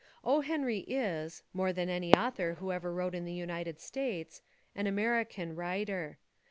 O. Henry is, more than any author who ever wrote in the United States, an American writer.